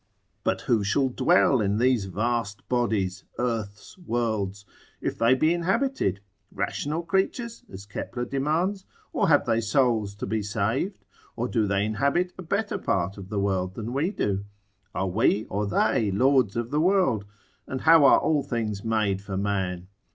But who shall dwell in these vast bodies, earths, worlds, if they be inhabited? rational creatures? as Kepler demands, or have they souls to be saved? or do they inhabit a better part of the world than we do? Are we or they lords of the world? And how are all things made for man?